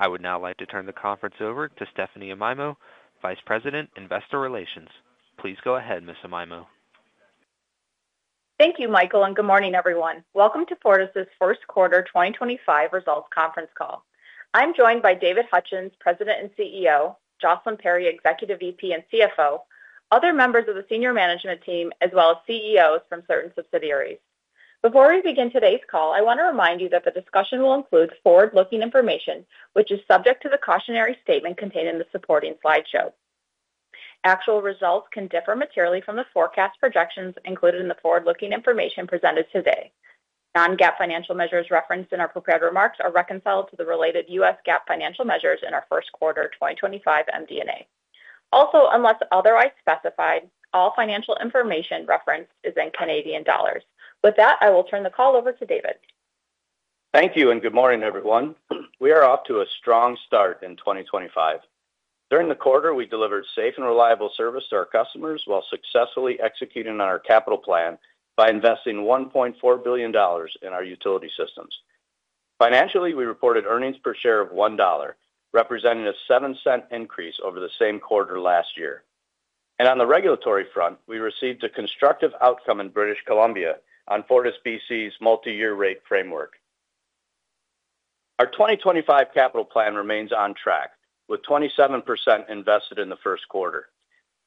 I would now like to turn the conference over to Stephanie Amaimo, Vice President, Investor Relations. Please go ahead, Ms. Amaimo. Thank you, Michael, and good morning, everyone. Welcome to Fortis' first quarter 2025 results conference call. I'm joined by David Hutchens, President and CEO; Jocelyn Perry, Executive VP and CFO; other members of the senior management team; as well as CEOs from certain subsidiaries. Before we begin today's call, I want to remind you that the discussion will include forward-looking information, which is subject to the cautionary statement contained in the supporting slideshow. Actual results can differ materially from the forecast projections included in the forward-looking information presented today. Non-GAAP financial measures referenced in our prepared remarks are reconciled to the related U.S. GAAP financial measures in our first quarter 2025 MD&A. Also, unless otherwise specified, all financial information referenced is in CAD. With that, I will turn the call over to David. Thank you, and good morning, everyone. We are off to a strong start in 2025. During the quarter, we delivered safe and reliable service to our customers while successfully executing on our capital plan by investing 1.4 billion dollars in our utility systems. Financially, we reported earnings per share of 1 dollar, representing a 0.07 increase over the same quarter last year. On the regulatory front, we received a constructive outcome in British Columbia on FortisBC's multi-year rate framework. Our 2025 capital plan remains on track, with 27% invested in the first quarter.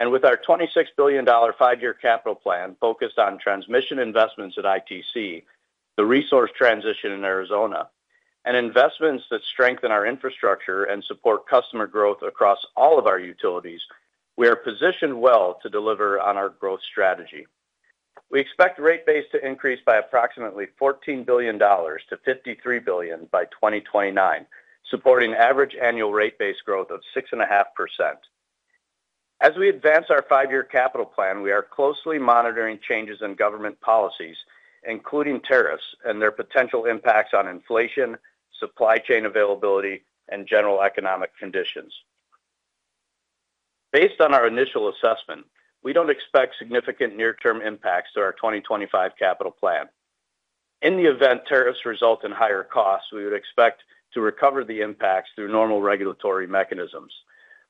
With our 26 billion dollar five-year capital plan focused on transmission investments at ITC, the resource transition in Arizona, and investments that strengthen our infrastructure and support customer growth across all of our utilities, we are positioned well to deliver on our growth strategy. We expect rate base to increase by approximately 14 billion-53 billion dollars by 2029, supporting average annual rate base growth of 6.5%. As we advance our five-year capital plan, we are closely monitoring changes in government policies, including tariffs and their potential impacts on inflation, supply chain availability, and general economic conditions. Based on our initial assessment, we do not expect significant near-term impacts to our 2025 capital plan. In the event tariffs result in higher costs, we would expect to recover the impacts through normal regulatory mechanisms.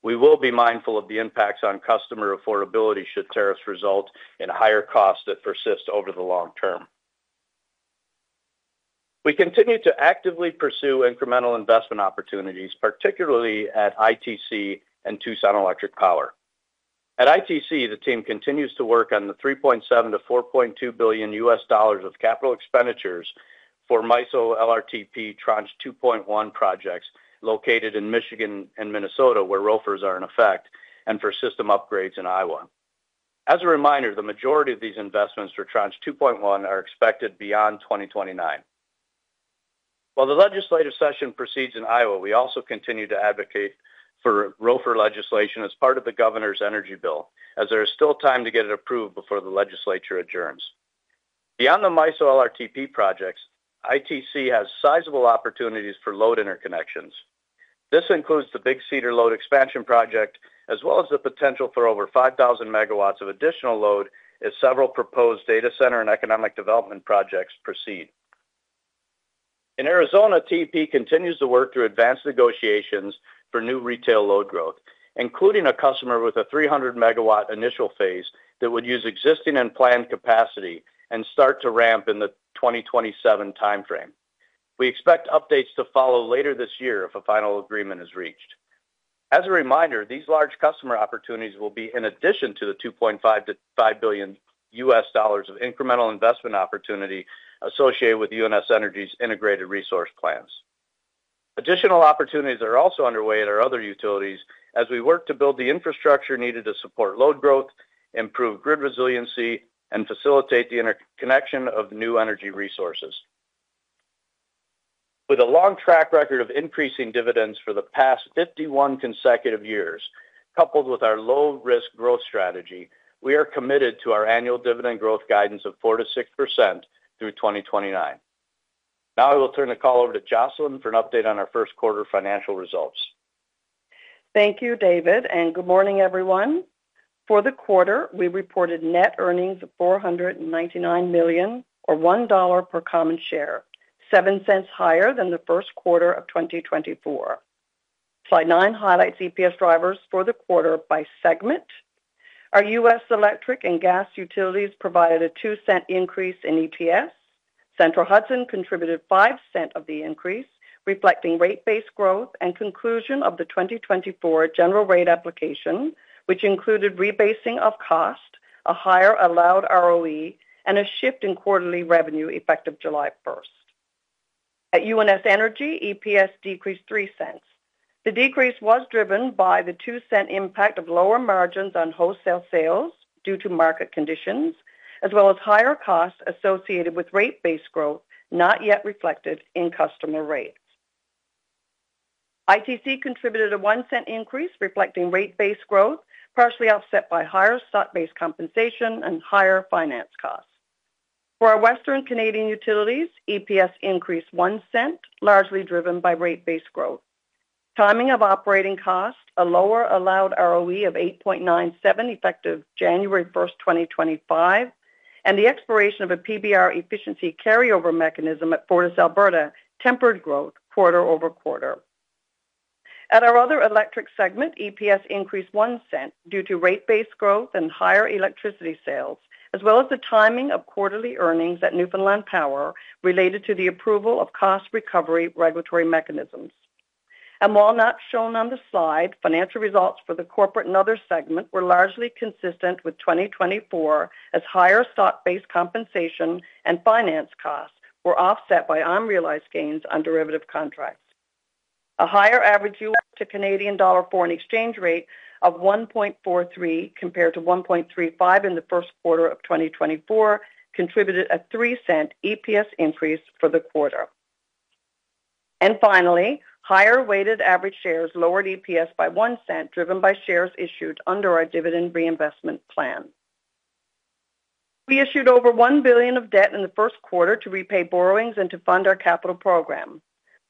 We will be mindful of the impacts on customer affordability should tariffs result in higher costs that persist over the long term. We continue to actively pursue incremental investment opportunities, particularly at ITC and Tucson Electric Power. At ITC, the team continues to work on the $3.7 billion-$4.2 billion. Of capital expenditures for MISO LRTP tranche 2.1 projects located in Michigan and Minnesota, where ROFRs are in effect, and for system upgrades in Iowa. As a reminder, the majority of these investments for tranche 2.1 are expected beyond 2029. While the legislative session proceeds in Iowa, we also continue to advocate for ROFR legislation as part of the governor's energy bill, as there is still time to get it approved before the legislature adjourns. Beyond the MISO LRTP projects, ITC has sizable opportunities for load interconnections. This includes the Big Cedar Load Expansion Project, as well as the potential for over 5,000 MW of additional load as several proposed data center and economic development projects proceed. In Arizona, TEP continues to work through advanced negotiations for new retail load growth, including a customer with a 300 MW initial phase that would use existing and planned capacity and start to ramp in the 2027 timeframe. We expect updates to follow later this year if a final agreement is reached. As a reminder, these large customer opportunities will be in addition to the $2.5 billion of incremental investment opportunity associated with UNS Energy's Integrated Resource Plans. Additional opportunities are also underway at our other utilities as we work to build the infrastructure needed to support load growth, improve grid resiliency, and facilitate the interconnection of new energy resources. With a long track record of increasing dividends for the past 51 consecutive years, coupled with our low-risk growth strategy, we are committed to our annual dividend growth guidance of 4%-6% through 2029. Now I will turn the call over to Jocelyn for an update on our first quarter financial results. Thank you, David, and good morning, everyone. For the quarter, we reported net earnings of 499 million, or 1 dollar per common share, 0.07 higher than the first quarter of 2024. Slide 9 highlights EPS drivers for the quarter by segment. Our U.S. Electric and Gas utilities provided a CAD 0.02 increase in EPS. Central Hudson contributed 0.05 of the increase, reflecting rate base growth and conclusion of the 2024 general rate application, which included rebasing of cost, a higher allowed ROE, and a shift in quarterly revenue effective July 1st. At UNS Energy, EPS decreased 0.03. The decrease was driven by the 0.02 impact of lower margins on wholesale sales due to market conditions, as well as higher costs associated with rate base growth not yet reflected in customer rates. ITC contributed a CAD 0.01 increase, reflecting rate base growth, partially offset by higher stock-based compensation and higher finance costs. For our Western Canadian utilities, EPS increased 0.01, largely driven by rate base growth. Timing of operating cost, a lower allowed ROE of 8.97% effective January 1st, 2025, and the expiration of a PBR efficiency carryover mechanism at Fortis Alberta tempered growth quarter over quarter. At our other electric segment, EPS increased 0.01 due to rate base growth and higher electricity sales, as well as the timing of quarterly earnings at Newfoundland Power related to the approval of cost recovery regulatory mechanisms. While not shown on the slide, financial results for the corporate and other segment were largely consistent with 2024, as higher stock-based compensation and finance costs were offset by unrealized gains on derivative contracts. A higher average U.S. to Canadian dollar foreign exchange rate of 1.43 compared to 1.35 in the first quarter of 2024 contributed a 0.03 EPS increase for the quarter. Finally, higher weighted average shares lowered EPS by 0.01, driven by shares issued under our Dividend Reinvestment Plan. We issued over 1 billion of debt in the first quarter to repay borrowings and to fund our capital program.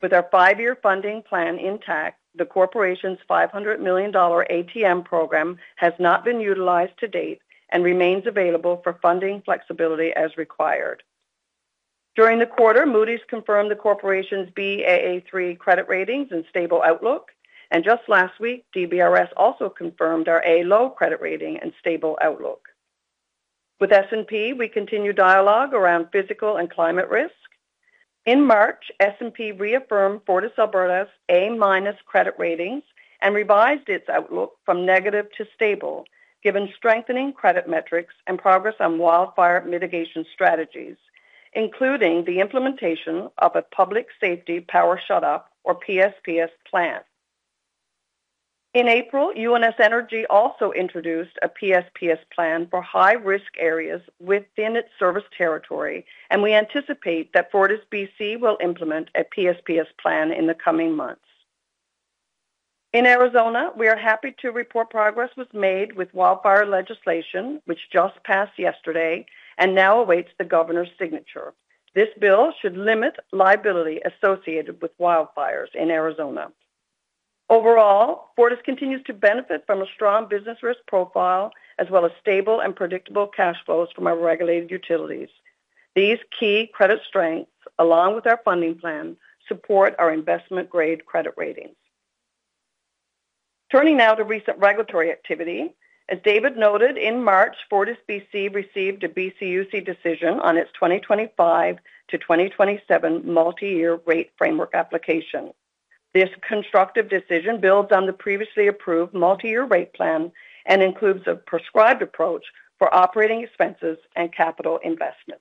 With our five-year funding plan intact, the corporation's 500 million dollar ATM program has not been utilized to date and remains available for funding flexibility as required. During the quarter, Moody's confirmed the corporation's Baa3 credit ratings and stable outlook, and just last week, DBRS also confirmed our A-low credit rating and stable outlook. With S&P, we continue dialogue around physical and climate risk. In March, S&P reaffirmed FortisAlberta's A- credit ratings and revised its outlook from negative to stable, given strengthening credit metrics and progress on wildfire mitigation strategies, including the implementation of a Public Safety Power Shut-off, or PSPS, plan. In April, UNS Energy also introduced a PSPS plan for high-risk areas within its service territory, and we anticipate that FortisBC will implement a PSPS plan in the coming months. In Arizona, we are happy to report progress was made with wildfire legislation, which just passed yesterday and now awaits the governor's signature. This bill should limit liability associated with wildfires in Arizona. Overall, Fortis continues to benefit from a strong business risk profile, as well as stable and predictable cash flows from our regulated utilities. These key credit strengths, along with our funding plan, support our investment-grade credit ratings. Turning now to recent regulatory activity. As David noted, in March, FortisBC received a BCUC decision on its 2025-2027 multi-year rate framework application. This constructive decision builds on the previously approved multi-year rate plan and includes a prescribed approach for operating expenses and capital investment.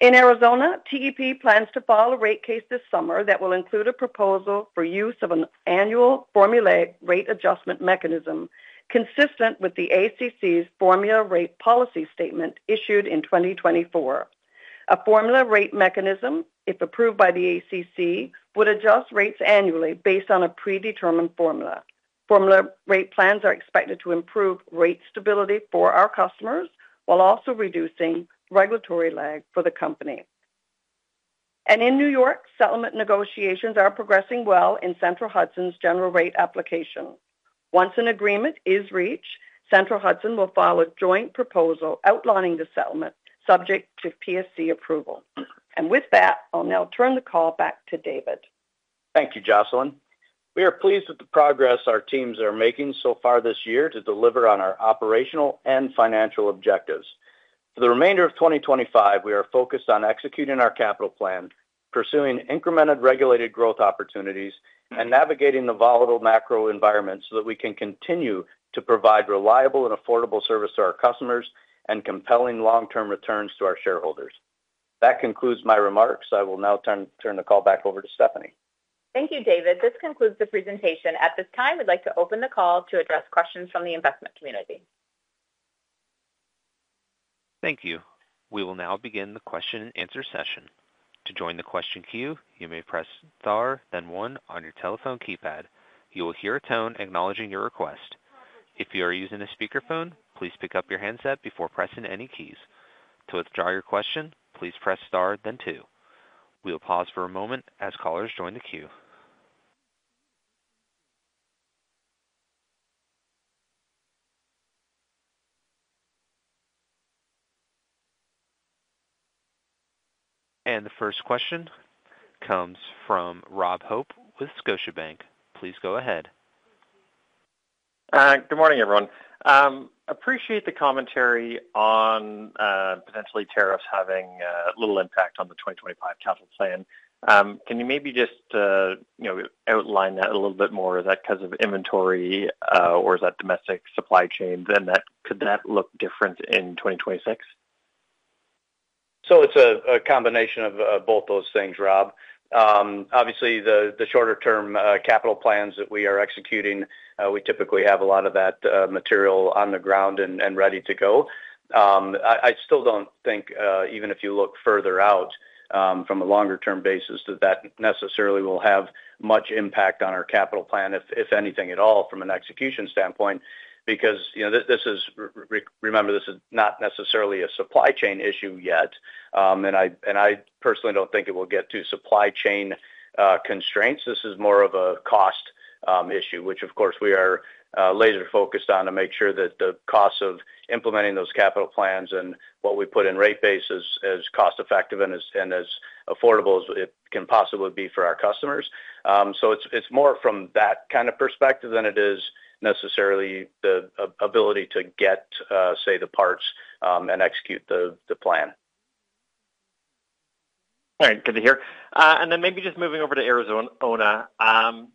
In Arizona, TEP plans to file a rate case this summer that will include a proposal for use of an annual formula rate adjustment mechanism consistent with the ACC's formula rate policy statement issued in 2024. A formula rate mechanism, if approved by the ACC, would adjust rates annually based on a predetermined formula. Formula rate plans are expected to improve rate stability for our customers while also reducing regulatory lag for the company. In New York, settlement negotiations are progressing well in Central Hudson's general rate application. Once an agreement is reached, Central Hudson will file a joint proposal outlining the settlement, subject to PSC approval. With that, I'll now turn the call back to David. Thank you, Jocelyn. We are pleased with the progress our teams are making so far this year to deliver on our operational and financial objectives. For the remainder of 2025, we are focused on executing our capital plan, pursuing incremental regulated growth opportunities, and navigating the volatile macro environment so that we can continue to provide reliable and affordable service to our customers and compelling long-term returns to our shareholders. That concludes my remarks. I will now turn the call back over to Stephanie. Thank you, David. This concludes the presentation. At this time, we'd like to open the call to address questions from the investment community. Thank you. We will now begin the question-and-answer session. To join the question queue, you may press star, then one on your telephone keypad. You will hear a tone acknowledging your request. If you are using a speakerphone, please pick up your handset before pressing any keys. To withdraw your question, please press star, then two. We'll pause for a moment as callers join the queue. The first question comes from Rob Hope with Scotiabank. Please go ahead. Good morning, everyone. I appreciate the commentary on potentially tariffs having little impact on the 2025 capital plan. Can you maybe just outline that a little bit more? Is that because of inventory, or is that domestic supply chain? Could that look different in 2026? It is a combination of both those things, Rob. Obviously, the shorter-term capital plans that we are executing, we typically have a lot of that material on the ground and ready to go. I still do not think, even if you look further out from a longer-term basis, that that necessarily will have much impact on our capital plan, if anything at all, from an execution standpoint, because this is, remember, this is not necessarily a supply chain issue yet. I personally do not think it will get to supply chain constraints. This is more of a cost issue, which, of course, we are laser-focused on to make sure that the costs of implementing those capital plans and what we put in rate base is as cost-effective and as affordable as it can possibly be for our customers. It is more from that kind of perspective than it is necessarily the ability to get, say, the parts and execute the plan. All right. Good to hear. Maybe just moving over to Arizona,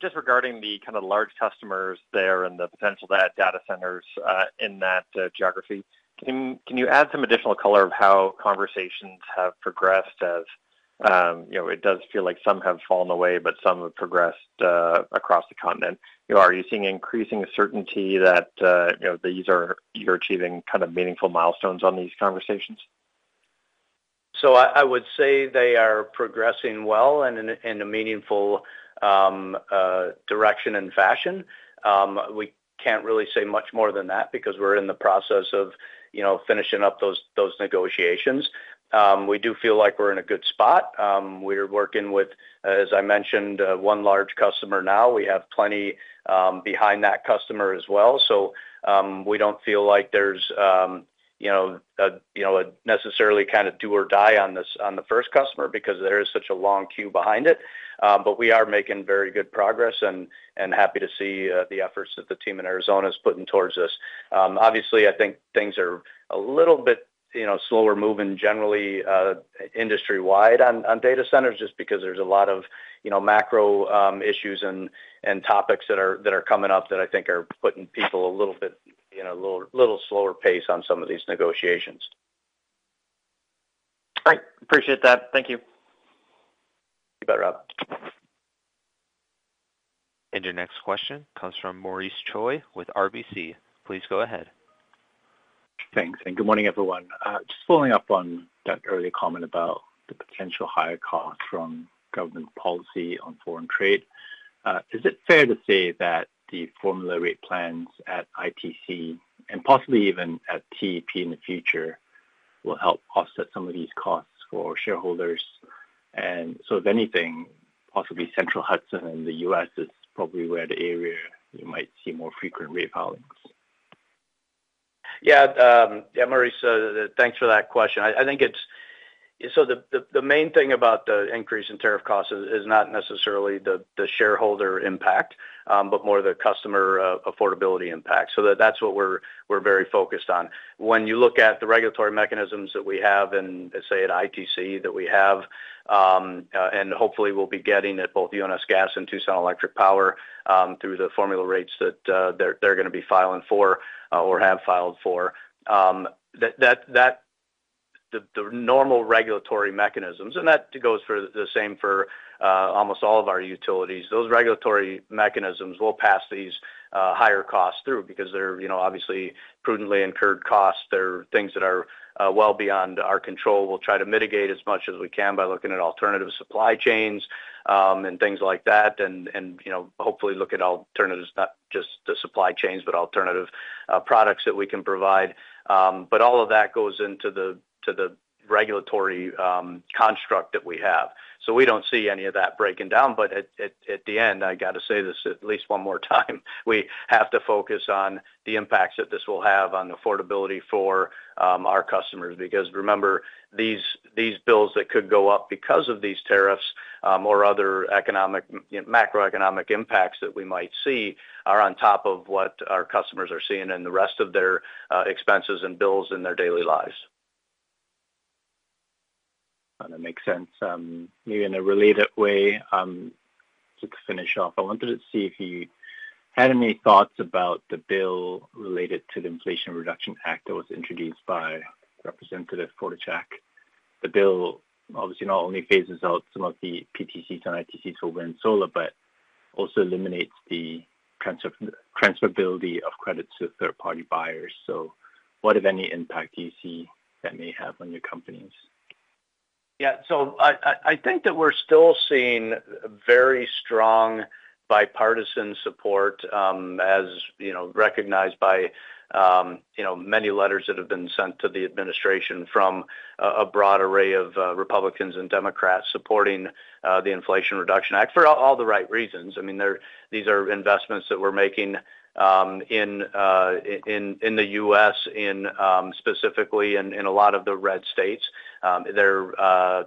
just regarding the kind of large customers there and the potential data centers in that geography. Can you add some additional color of how conversations have progressed as it does feel like some have fallen away, but some have progressed across the continent? Are you seeing increasing certainty that you're achieving kind of meaningful milestones on these conversations? I would say they are progressing well and in a meaningful direction and fashion. We can't really say much more than that because we're in the process of finishing up those negotiations. We do feel like we're in a good spot. We're working with, as I mentioned, one large customer now. We have plenty behind that customer as well. We don't feel like there's necessarily kind of do or die on the first customer because there is such a long queue behind it. We are making very good progress and happy to see the efforts that the team in Arizona is putting towards us. Obviously, I think things are a little bit slower moving generally industry-wide on data centers just because there's a lot of macro issues and topics that are coming up that I think are putting people a little bit at a little slower pace on some of these negotiations. All right. Appreciate that. Thank you. You bet, Rob. Your next question comes from Maurice Choy with RBC. Please go ahead. Thanks. Good morning, everyone. Just following up on that earlier comment about the potential higher costs from government policy on foreign trade, is it fair to say that the formula rate plans at ITC and possibly even at TEP in the future will help offset some of these costs for shareholders? If anything, possibly Central Hudson in the U.S. is probably where the area you might see more frequent rate filings. Yeah. Yeah, Maurice, thanks for that question. I think the main thing about the increase in tariff costs is not necessarily the shareholder impact, but more the customer affordability impact. That is what we are very focused on. When you look at the regulatory mechanisms that we have and, say, at ITC that we have, and hopefully we will be getting at both UNS Gas and Tucson Electric Power through the formula rates that they are going to be filing for or have filed for, the normal regulatory mechanisms—and that goes for the same for almost all of our utilities—those regulatory mechanisms will pass these higher costs through because they are obviously prudently incurred costs. They are things that are well beyond our control. We'll try to mitigate as much as we can by looking at alternative supply chains and things like that, and hopefully look at alternatives, not just the supply chains, but alternative products that we can provide. All of that goes into the regulatory construct that we have. We don't see any of that breaking down. At the end, I got to say this at least one more time. We have to focus on the impacts that this will have on affordability for our customers because remember, these bills that could go up because of these tariffs or other macroeconomic impacts that we might see are on top of what our customers are seeing in the rest of their expenses and bills in their daily lives. That makes sense. Maybe in a related way, just to finish off, I wanted to see if you had any thoughts about the bill related to the Inflation Reduction Act that was introduced by Representative Kortschak. The bill obviously not only phases out some of the PTCs and ITCs for wind solar, but also eliminates the transferability of credit to third-party buyers. What, if any, impact do you see that may have on your companies? Yeah. I think that we're still seeing very strong bipartisan support as recognized by many letters that have been sent to the administration from a broad array of Republicans and Democrats supporting the Inflation Reduction Act for all the right reasons. I mean, these are investments that we're making in the U.S., specifically in a lot of the red states. They're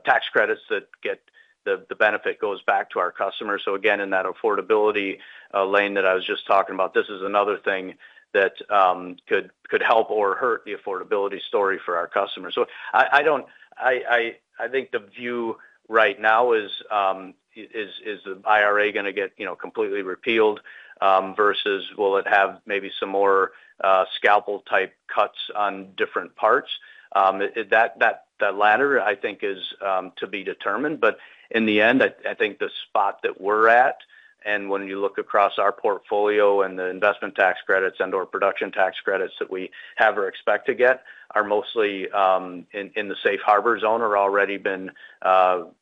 tax credits that get the benefit goes back to our customers. Again, in that affordability lane that I was just talking about, this is another thing that could help or hurt the affordability story for our customers. I think the view right now is, is the IRA going to get completely repealed versus will it have maybe some more scalpel-type cuts on different parts? That latter, I think, is to be determined. In the end, I think the spot that we're at, and when you look across our portfolio and the investment tax credits and/or production tax credits that we have or expect to get are mostly in the safe harbor zone or already been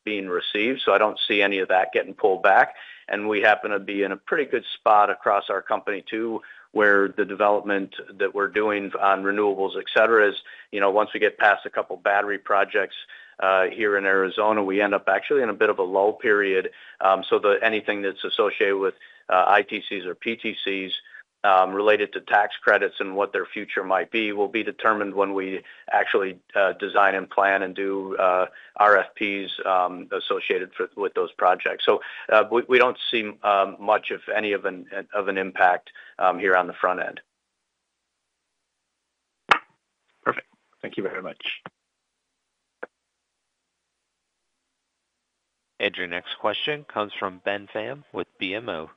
being received. I do not see any of that getting pulled back. We happen to be in a pretty good spot across our company too, where the development that we're doing on renewables, etc., is once we get past a couple of battery projects here in Arizona, we end up actually in a bit of a lull period. Anything that's associated with ITCs or PTCs related to tax credits and what their future might be will be determined when we actually design and plan and do RFPs associated with those projects. We do not see much of any of an impact here on the front end. Perfect. Thank you very much. Your next question comes from Ben Pham with BMO.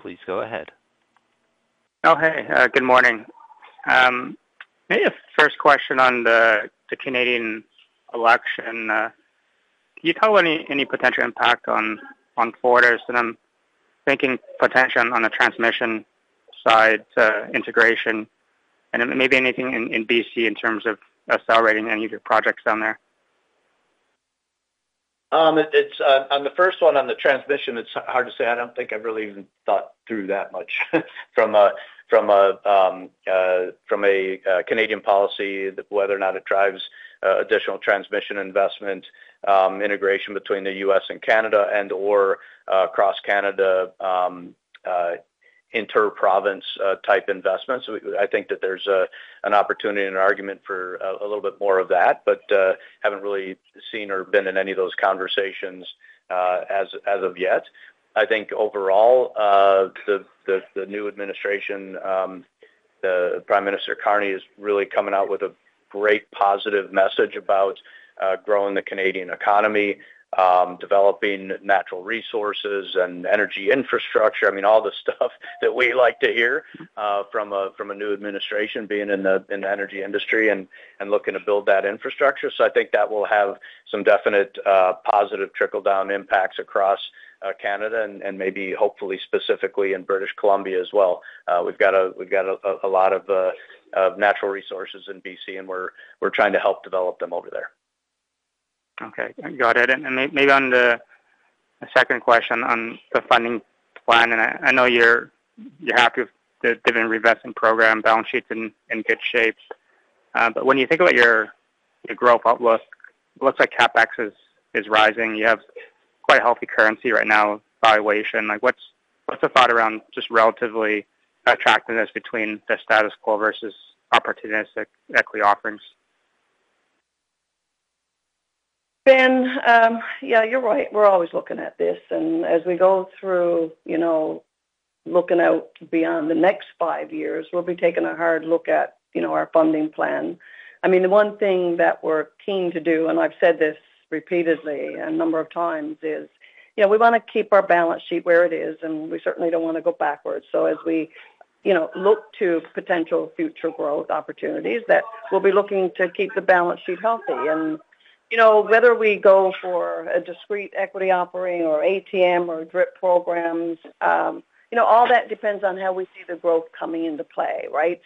Please go ahead. Oh, hey. Good morning. Maybe a first question on the Canadian election. Can you tell any potential impact on Fortis? I'm thinking potential on the transmission side integration. Maybe anything in BC in terms of accelerating any of your projects down there? On the first one, on the transmission, it's hard to say. I don't think I've really even thought through that much from a Canadian policy, whether or not it drives additional transmission investment integration between the U.S. and Canada and/or cross-Canada inter-province type investments. I think that there's an opportunity and an argument for a little bit more of that, but haven't really seen or been in any of those conversations as of yet. I think overall, the new administration, Prime Minister Carney, is really coming out with a great positive message about growing the Canadian economy, developing natural resources and energy infrastructure. I mean, all the stuff that we like to hear from a new administration being in the energy industry and looking to build that infrastructure. I think that will have some definite positive trickle-down impacts across Canada and maybe hopefully specifically in British Columbia as well. We've got a lot of natural resources in British Columbia, and we're trying to help develop them over there. Okay. Got it. Maybe on the second question on the funding plan, I know you're happy with the Dividend Reinvestment Plan, balance sheet's in good shape. When you think about your growth outlook, it looks like CapEx is rising. You have quite a healthy currency right now, valuation. What's the thought around just relatively attractiveness between the status quo versus opportunistic equity offerings? Ben, yeah, you're right. We're always looking at this. As we go through looking out beyond the next five years, we'll be taking a hard look at our funding plan. I mean, the one thing that we're keen to do, and I've said this repeatedly a number of times, is we want to keep our balance sheet where it is, and we certainly don't want to go backwards. As we look to potential future growth opportunities, we'll be looking to keep the balance sheet healthy. Whether we go for a discrete equity offering or ATM or DRIP programs, all that depends on how we see the growth coming into play, right?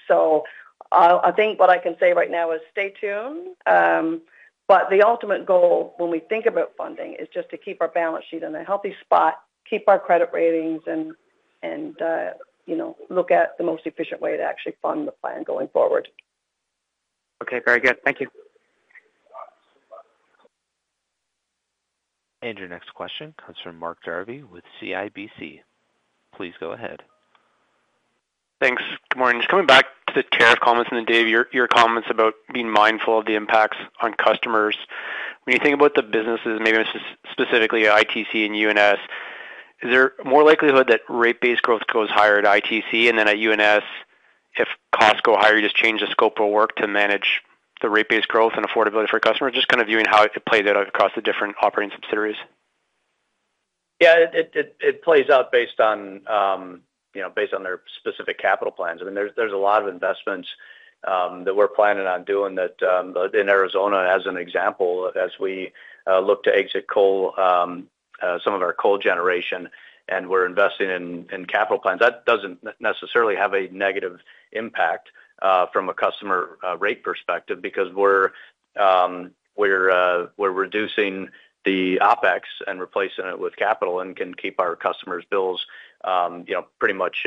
I think what I can say right now is stay tuned. The ultimate goal when we think about funding is just to keep our balance sheet in a healthy spot, keep our credit ratings, and look at the most efficient way to actually fund the plan going forward. Okay. Very good. Thank you. Your next question comes from Mark Jarvi with CIBC. Please go ahead. Thanks. Good morning. Just coming back to the tariff comments and the day of your comments about being mindful of the impacts on customers. When you think about the businesses, maybe specifically ITC and UNS, is there more likelihood that rate-based growth goes higher at ITC and then at UNS, if costs go higher, you just change the scope of work to manage the rate-based growth and affordability for customers? Just kind of viewing how it plays out across the different operating subsidiaries. Yeah. It plays out based on their specific capital plans. I mean, there's a lot of investments that we're planning on doing that in Arizona, as an example, as we look to exit some of our coal generation and we're investing in capital plans. That doesn't necessarily have a negative impact from a customer rate perspective because we're reducing the OpEx and replacing it with capital and can keep our customers' bills pretty much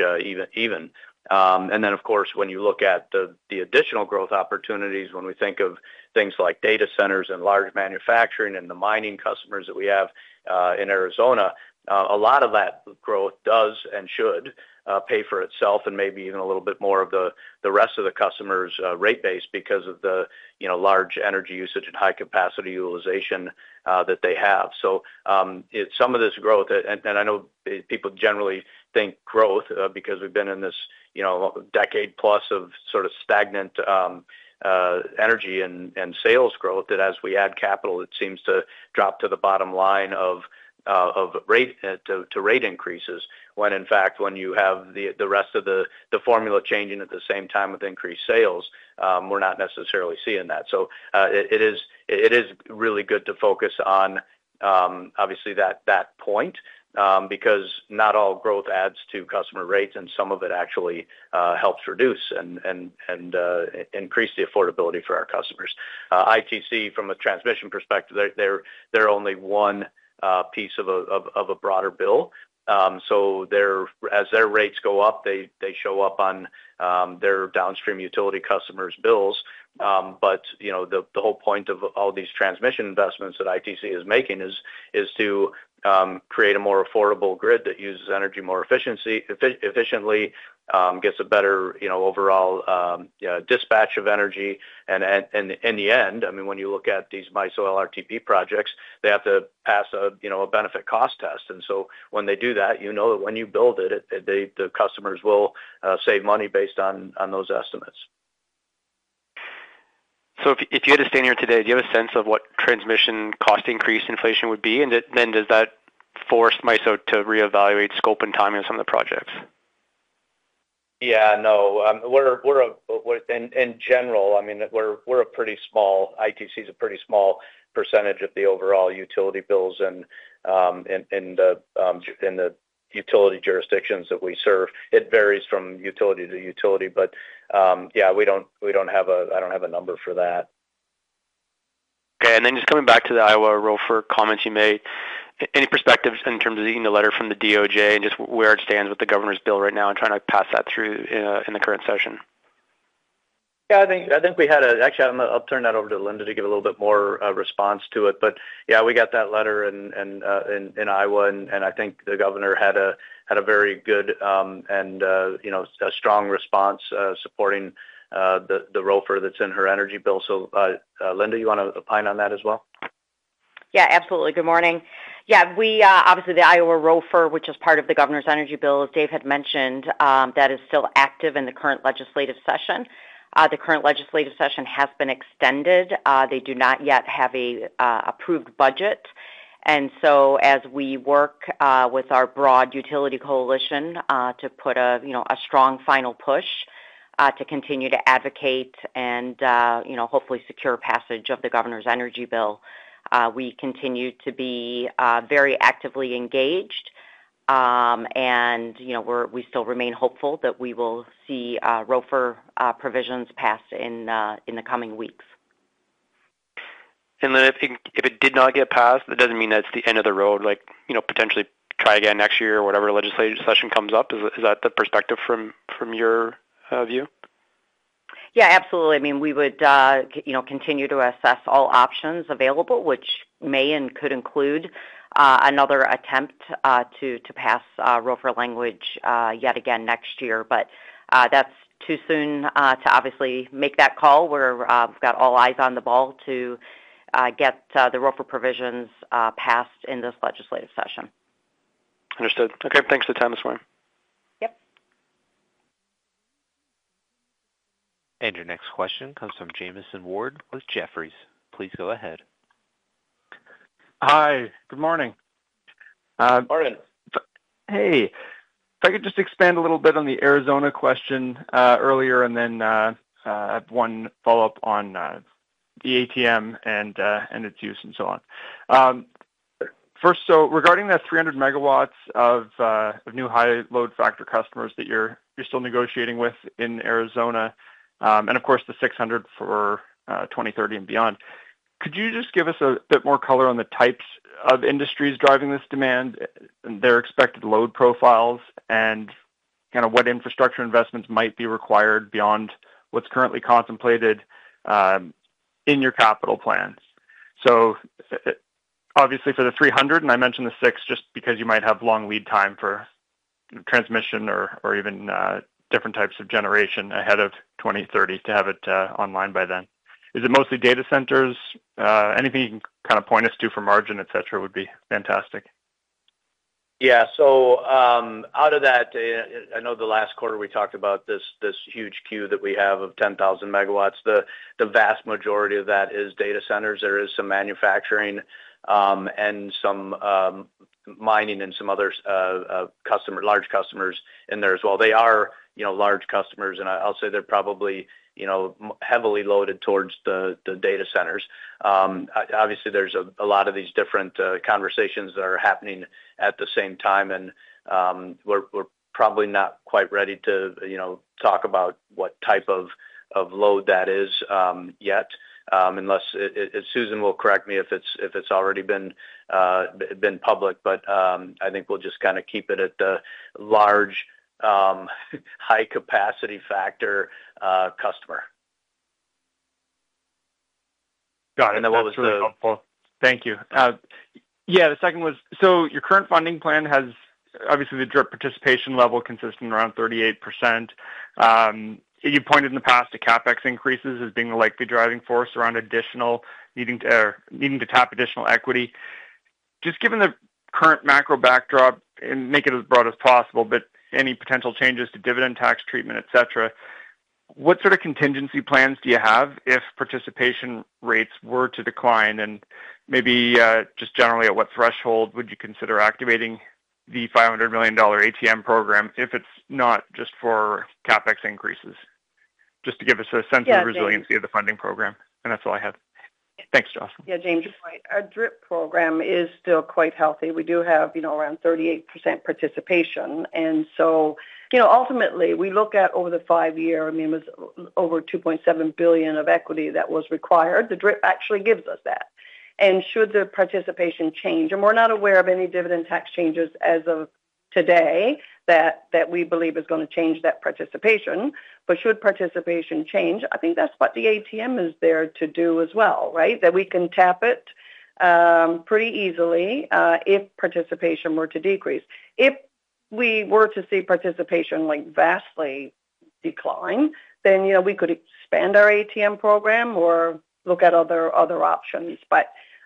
even. Of course, when you look at the additional growth opportunities, when we think of things like data centers and large manufacturing and the mining customers that we have in Arizona, a lot of that growth does and should pay for itself and maybe even a little bit more of the rest of the customers' rate base because of the large energy usage and high capacity utilization that they have. Some of this growth, and I know people generally think growth because we've been in this decade-plus of sort of stagnant energy and sales growth that as we add capital, it seems to drop to the bottom line of rate to rate increases when, in fact, when you have the rest of the formula changing at the same time with increased sales, we're not necessarily seeing that. It is really good to focus on, obviously, that point because not all growth adds to customer rates and some of it actually helps reduce and increase the affordability for our customers. ITC, from a transmission perspective, they're only one piece of a broader bill. As their rates go up, they show up on their downstream utility customers' bills. The whole point of all these transmission investments that ITC is making is to create a more affordable grid that uses energy more efficiently, gets a better overall dispatch of energy. In the end, I mean, when you look at these MISO LRTP projects, they have to pass a benefit cost test. When they do that, you know that when you build it, the customers will save money based on those estimates. If you had to stand here today, do you have a sense of what transmission cost increase inflation would be? Does that force MISO to reevaluate scope and timing of some of the projects? Yeah. No. In general, I mean, we're a pretty small—ITC is a pretty small percentage of the overall utility bills in the utility jurisdictions that we serve. It varies from utility to utility. Yeah, we don't have a—I don't have a number for that. Okay. Just coming back to the Iowa ROFR comments you made, any perspectives in terms of the letter from the DOJ and just where it stands with the governor's bill right now and trying to pass that through in the current session? Yeah. I think we had a, actually, I'll turn that over to Linda to give a little bit more response to it. Yeah, we got that letter in Iowa, and I think the governor had a very good and strong response supporting the ROFR that's in her energy bill. Linda, you want to opine on that as well? Yeah. Absolutely. Good morning. Yeah. Obviously, the Iowa ROFR, which is part of the governor's energy bill, as Dave had mentioned, that is still active in the current legislative session. The current legislative session has been extended. They do not yet have an approved budget. As we work with our broad utility coalition to put a strong final push to continue to advocate and hopefully secure passage of the governor's energy bill, we continue to be very actively engaged. We still remain hopeful that we will see ROFR provisions passed in the coming weeks. I think if it did not get passed, that does not mean that is the end of the road. Potentially try again next year or whatever legislative session comes up. Is that the perspective from your view? Yeah. Absolutely. I mean, we would continue to assess all options available, which may and could include another attempt to pass ROFR language yet again next year. That is too soon to obviously make that call. We have got all eyes on the ball to get the ROFR provisions passed in this legislative session. Understood. Okay. Thanks for the time this morning. Yep. Your next question comes from Jamieson Ward with Jefferies. Please go ahead. Hi. Good morning. Martin. Hey. If I could just expand a little bit on the Arizona question earlier and then have one follow-up on the ATM and its use and so on. First, regarding that 300 MW of new high-load factor customers that you're still negotiating with in Arizona and, of course, the 600 for 2030 and beyond, could you just give us a bit more color on the types of industries driving this demand, their expected load profiles, and kind of what infrastructure investments might be required beyond what's currently contemplated in your capital plans? Obviously for the 300, and I mentioned the 6 just because you might have long lead time for transmission or even different types of generation ahead of 2030 to have it online by then. Is it mostly data centers? Anything you can kind of point us to for margin, etc., would be fantastic. Yeah. Out of that, I know the last quarter we talked about this huge queue that we have of 10,000 MW. The vast majority of that is data centers. There is some manufacturing and some mining and some other large customers in there as well. They are large customers, and I'll say they're probably heavily loaded towards the data centers. Obviously, there's a lot of these different conversations that are happening at the same time, and we're probably not quite ready to talk about what type of load that is yet, unless Susan will correct me if it's already been public. I think we'll just kind of keep it at the large high-capacity factor customer. Got it. What was the? That's really helpful. Thank you. Yeah. The second was, your current funding plan has obviously the DRIP participation level consistent around 38%. You've pointed in the past to CapEx increases as being the likely driving force around needing to tap additional equity. Just given the current macro backdrop, and make it as broad as possible, but any potential changes to dividend tax treatment, etc., what sort of contingency plans do you have if participation rates were to decline? Maybe just generally, at what threshold would you consider activating the 500 million dollar ATM program if it's not just for CapEx increases? Just to give us a sense of resiliency of the funding program. That's all I had. Thanks, Jocelyn. Yeah. James's point. Our DRIP program is still quite healthy. We do have around 38% participation. Ultimately, we look at over the five-year, I mean, it was over 2.7 billion of equity that was required. The DRIP actually gives us that. Should the participation change? We are not aware of any dividend tax changes as of today that we believe is going to change that participation. Should participation change, I think that is what the ATM is there to do as well, right? We can tap it pretty easily if participation were to decrease. If we were to see participation vastly decline, then we could expand our ATM program or look at other options. We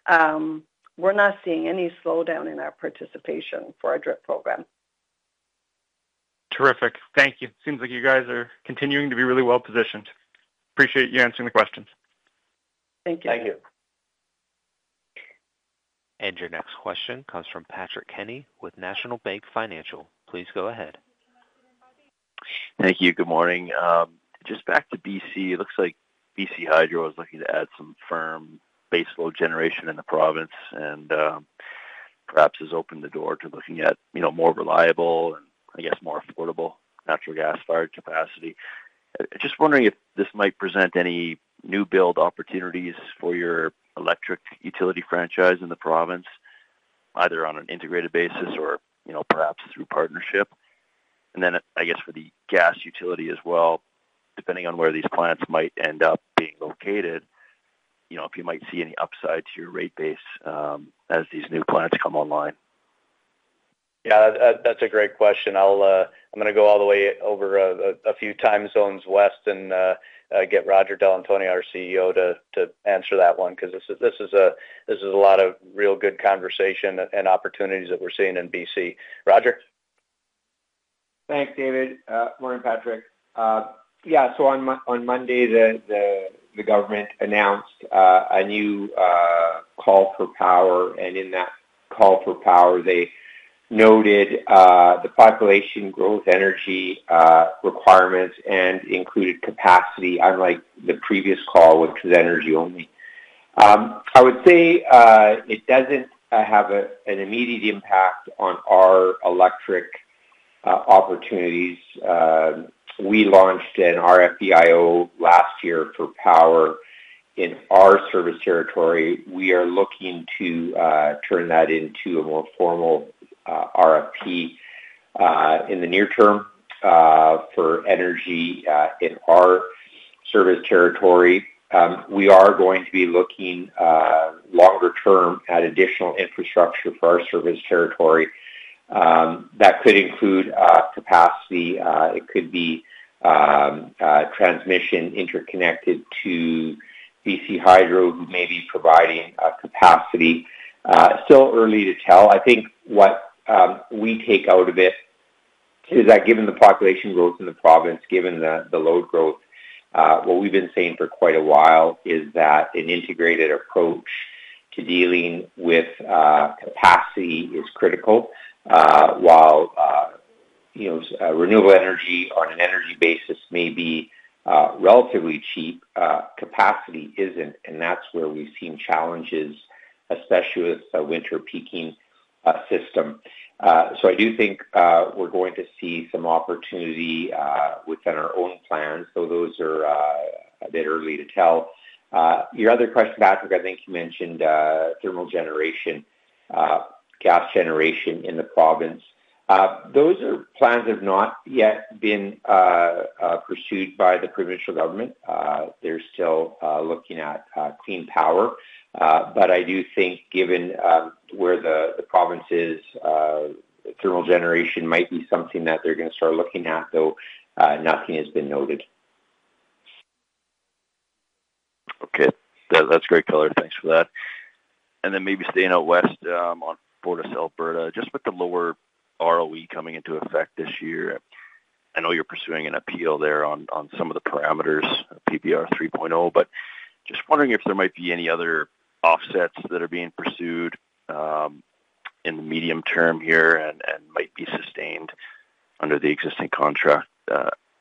are not seeing any slowdown in our participation for our DRIP program. Terrific. Thank you. Seems like you guys are continuing to be really well-positioned. Appreciate you answering the questions. Thank you. Thank you. Your next question comes from Patrick Kenny with National Bank Financial. Please go ahead. Thank you. Good morning. Just back to BC. It looks like BC Hydro is looking to add some firm base load generation in the province and perhaps has opened the door to looking at more reliable and, I guess, more affordable natural gas fired capacity. Just wondering if this might present any new build opportunities for your electric utility franchise in the province, either on an integrated basis or perhaps through partnership. I guess for the gas utility as well, depending on where these plants might end up being located, if you might see any upside to your rate base as these new plants come online. Yeah. That's a great question. I'm going to go all the way over a few time zones west and get Roger Dall’Antonia, our CEO, to answer that one because this is a lot of real good conversation and opportunities that we're seeing in BC. Roger? Thanks, David. Morning, Patrick. Yeah. On Monday, the government announced a new call for power. In that call for power, they noted the population growth energy requirements and included capacity, unlike the previous call, which was energy only. I would say it does not have an immediate impact on our electric opportunities. We launched an RFEIO last year for power in our service territory. We are looking to turn that into a more formal RFP in the near term for energy in our service territory. We are going to be looking longer term at additional infrastructure for our service territory. That could include capacity. It could be transmission interconnected to BC Hydro, maybe providing capacity. Still early to tell. I think what we take out of it is that given the population growth in the province, given the load growth, what we've been saying for quite a while is that an integrated approach to dealing with capacity is critical. While renewable energy on an energy basis may be relatively cheap, capacity is not. That is where we have seen challenges, especially with a winter peaking system. I do think we are going to see some opportunity within our own plans, though those are a bit early to tell. Your other question, Patrick, I think you mentioned thermal generation, gas generation in the province. Those are plans that have not yet been pursued by the provincial government. They are still looking at clean power. I do think given where the province is, thermal generation might be something that they are going to start looking at, though nothing has been noted. Okay. That's great, Keller. Thanks for that. Maybe staying out west on Fortis Alberta, just with the lower ROE coming into effect this year. I know you're pursuing an appeal there on some of the parameters of PBR 3.0. Just wondering if there might be any other offsets that are being pursued in the medium term here and might be sustained under the existing contract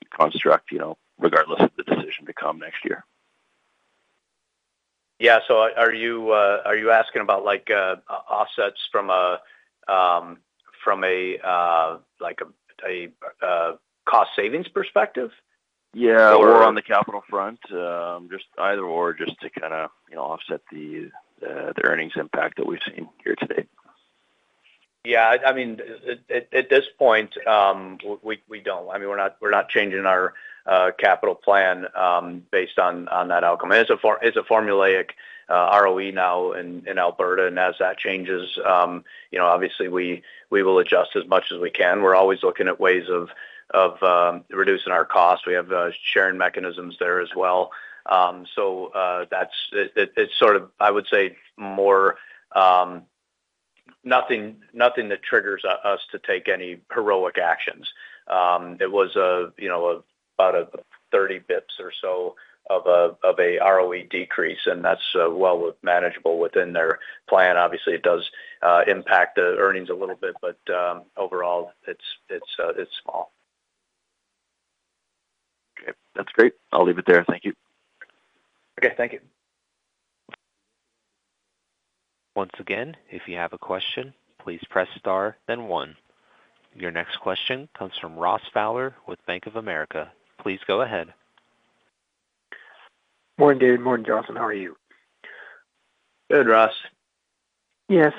construct, regardless of the decision to come next year. Yeah. Are you asking about offsets from a cost savings perspective? Yeah. Or on the capital front. Just either/or just to kind of offset the earnings impact that we've seen here today. Yeah. I mean, at this point, we do not. I mean, we are not changing our capital plan based on that outcome. It is a formulaic ROE now in Alberta. As that changes, obviously, we will adjust as much as we can. We are always looking at ways of reducing our cost. We have sharing mechanisms there as well. It is sort of, I would say, more nothing that triggers us to take any heroic actions. It was about 30 basis points or so of an ROE decrease, and that is well manageable within their plan. Obviously, it does impact the earnings a little bit, but overall, it is small. Okay. That's great. I'll leave it there. Thank you. Okay. Thank you. Once again, if you have a question, please press star, then one. Your next question comes from Ross Fowler with Bank of America. Please go ahead. Morning, David. Morning, Jocelyn. How are you? Good, Ross. Yeah.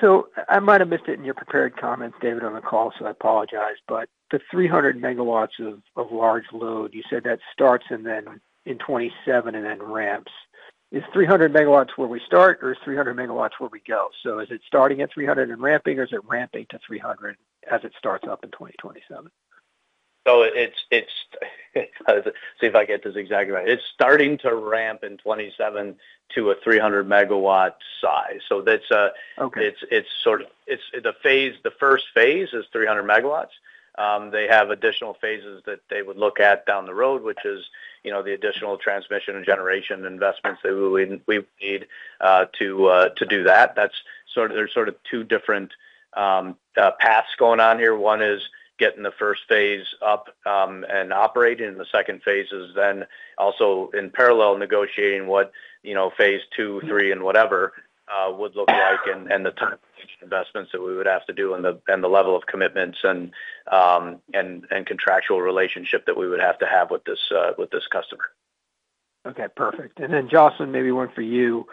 I might have missed it in your prepared comments, David, on the call, so I apologize. The 300 MW of large load, you said that starts in 2027 and then ramps. Is 300 MW where we start, or is 300 MW where we go? Is it starting at 300 and ramping, or is it ramping to 300 as it starts up in 2027? See if I get this exactly right. It is starting to ramp in 2027 to a 300-MW size. It is sort of the first phase is 300 MW. They have additional phases that they would look at down the road, which is the additional transmission and generation investments that we would need to do that. There are sort of two different paths going on here. One is getting the first phase up and operating, and the second phase is then also in parallel negotiating what phase two, three, and whatever would look like and the time investments that we would have to do and the level of commitments and contractual relationship that we would have to have with this customer. Okay. Perfect. Joshua, maybe one for you.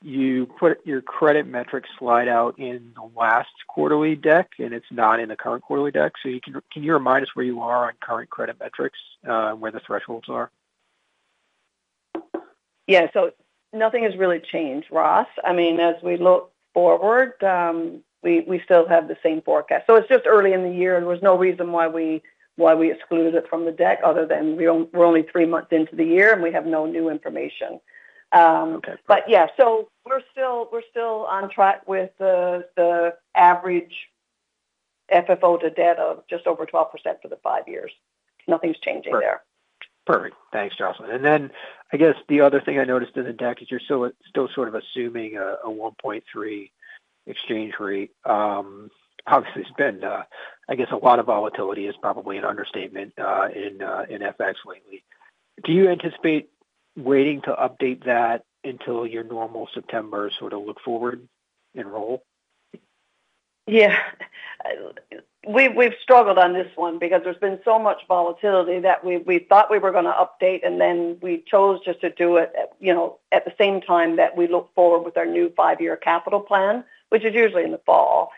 You put your credit metric slide out in the last quarterly deck, and it's not in the current quarterly deck. Can you remind us where you are on current credit metrics and where the thresholds are? Yeah. Nothing has really changed, Ross. I mean, as we look forward, we still have the same forecast. It is just early in the year. There was no reason why we excluded it from the deck other than we are only three months into the year, and we have no new information. Yeah. We are still on track with the average FFO to debt of just over 12% for the five years. Nothing is changing there. Okay. Perfect. Thanks, Joshua. I guess the other thing I noticed in the deck is you're still sort of assuming a 1.3 exchange rate. Obviously, it's been, I guess, a lot of volatility is probably an understatement in FX lately. Do you anticipate waiting to update that until your normal September sort of look forward and roll? Yeah. We've struggled on this one because there's been so much volatility that we thought we were going to update, and then we chose just to do it at the same time that we look forward with our new five-year capital plan, which is usually in the fall.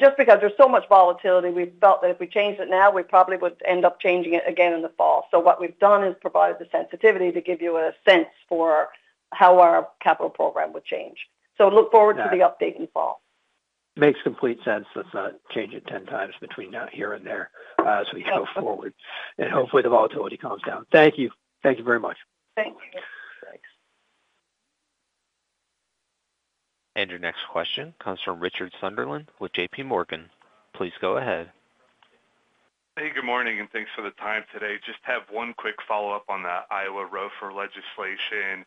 Just because there's so much volatility, we felt that if we changed it now, we probably would end up changing it again in the fall. What we've done is provided the sensitivity to give you a sense for how our capital program would change. Look forward to the update in fall. Makes complete sense. Let's not change it 10 times between now and here and there as we go forward. Hopefully, the volatility comes down. Thank you. Thank you very much. Thank you. Thanks. Your next question comes from Richard Sunderland with JP Morgan. Please go ahead. Hey, good morning, and thanks for the time today. Just have one quick follow-up on the Iowa ROFR legislation.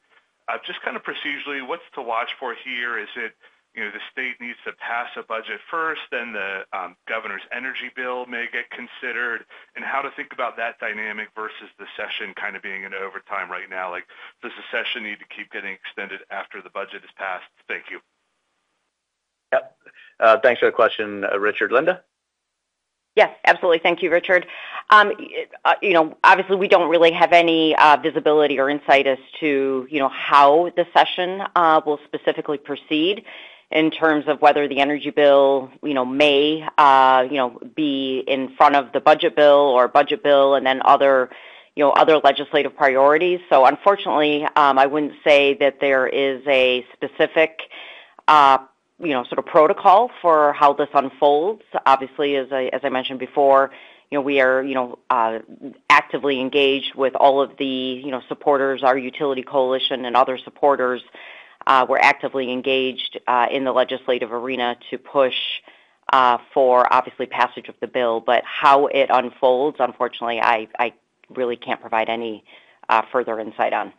Just kind of procedurally, what's to watch for here? Is it the state needs to pass a budget first, then the governor's energy bill may get considered? How to think about that dynamic versus the session kind of being in overtime right now? Does the session need to keep getting extended after the budget is passed? Thank you. Yep. Thanks for the question, Richard. Linda? Yes. Absolutely. Thank you, Richard. Obviously, we do not really have any visibility or insight as to how the session will specifically proceed in terms of whether the energy bill may be in front of the budget bill or budget bill and then other legislative priorities. Unfortunately, I would not say that there is a specific sort of protocol for how this unfolds. Obviously, as I mentioned before, we are actively engaged with all of the supporters, our utility coalition, and other supporters. We are actively engaged in the legislative arena to push for, obviously, passage of the bill. How it unfolds, unfortunately, I really cannot provide any further insight on.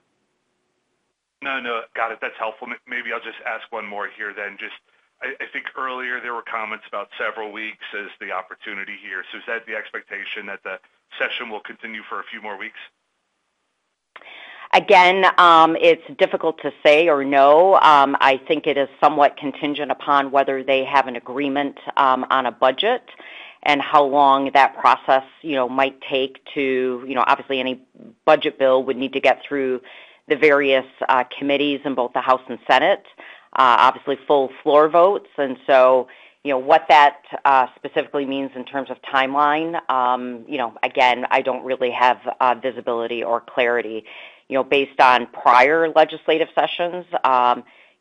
No, no. Got it. That's helpful. Maybe I'll just ask one more here then. Just I think earlier there were comments about several weeks as the opportunity here. Is that the expectation that the session will continue for a few more weeks? Again, it's difficult to say or know. I think it is somewhat contingent upon whether they have an agreement on a budget and how long that process might take to, obviously, any budget bill would need to get through the various committees in both the House and Senate, obviously full floor votes. What that specifically means in terms of timeline, again, I don't really have visibility or clarity. Based on prior legislative sessions,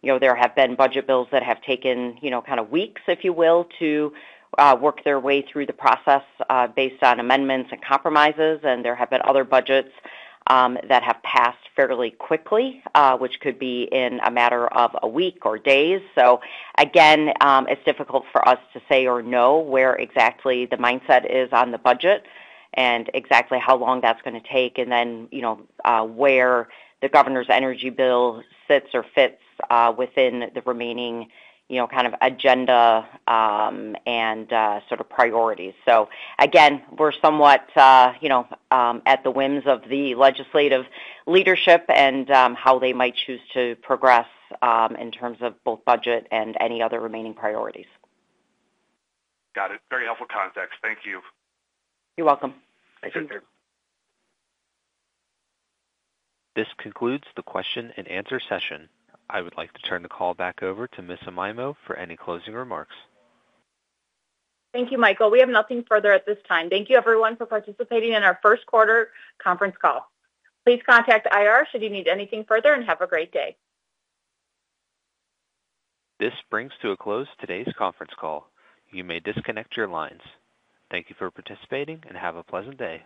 there have been budget bills that have taken kind of weeks, if you will, to work their way through the process based on amendments and compromises. There have been other budgets that have passed fairly quickly, which could be in a matter of a week or days. Again, it's difficult for us to say or know where exactly the mindset is on the budget and exactly how long that's going to take and then where the governor's energy bill sits or fits within the remaining kind of agenda and sort of priorities. Again, we're somewhat at the whims of the legislative leadership and how they might choose to progress in terms of both budget and any other remaining priorities. Got it. Very helpful context. Thank you. You're welcome. Thank you. This concludes the question and answer session. I would like to turn the call back over to Ms. Amaimo for any closing remarks. Thank you, Michael. We have nothing further at this time. Thank you, everyone, for participating in our first quarter conference call. Please contact IR should you need anything further and have a great day. This brings to a close today's conference call. You may disconnect your lines. Thank you for participating and have a pleasant day.